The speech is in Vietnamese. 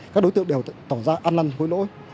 các đối tượng đều tỏ ra ăn năn hối lỗi